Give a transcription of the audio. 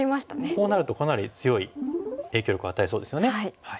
こうなるとかなり強い影響力を与えそうですよね。